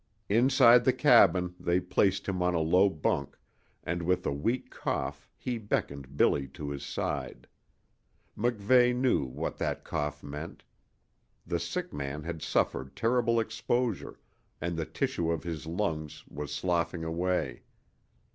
Inside the cabin they placed him on a low bunk, and with a weak cough he beckoned Billy to his side. MacVeigh knew what that cough meant. The sick man had suffered terrible exposure, and the tissue of his lungs was sloughing away.